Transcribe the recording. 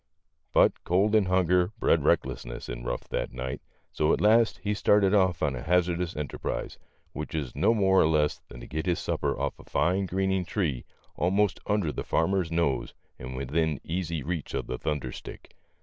But cold and hunger bred recklessness in Ruff that night, so at last he started off on a hazardous enterprise, which was no more or less than to get his supper off a fine greening tree almost under the farmer's nose and within easy reach of the thunderstick.